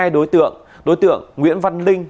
hai đối tượng đối tượng nguyễn văn linh